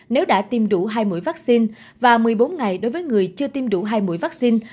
nếu đã tiêm đủ hai mũi vaccine và một mươi bốn ngày đối với người chưa tiêm đủ hai mũi vaccine